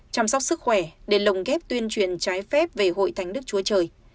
chăm sóc sức khỏe để lồng ghép tuyên truyền trái phép về hội thánh đức chúa trời